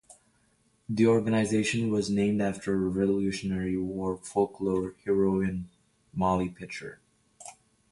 The organization was named after a Revolutionary War folklore heroine, Molly Pitcher.